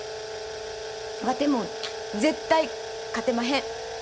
ワテも絶対勝てまへん。